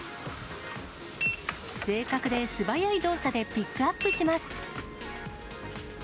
正確で素早い動作でピックアップします。